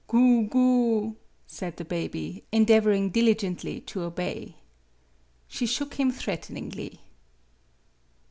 "Goo goo," said the baby, endeavoring diligently to obey. She shook him threateningly.